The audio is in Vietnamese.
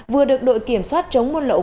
vừa được đội kiểm soát chống môn lậu